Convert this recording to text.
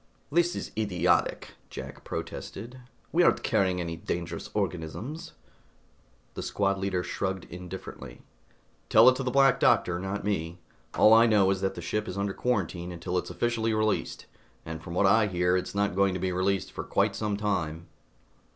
"This is idiotic," Jack protested. "We aren't carrying any dangerous organisms!" The squad leader shrugged indifferently. "Tell it to the Black Doctor, not me. All I know is that this ship is under quarantine until it's officially released, and from what I hear, it's not going to be released for quite some time."